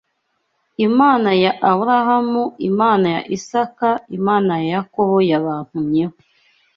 Imana ya Aburaham Imana ya Isaka, Imana ya Yakobo yabantumyeho